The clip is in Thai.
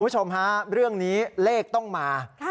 คุณผู้ชมฮะเรื่องนี้เลขต้องมา